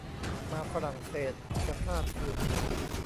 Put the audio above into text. มาฝรั่งเศสจะพลาดถิ่น